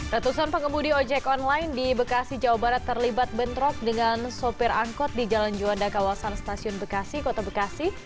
ratusan pengemudi ojek online di bekasi jawa barat terlibat bentrok dengan sopir angkot di jalan juanda kawasan stasiun bekasi kota bekasi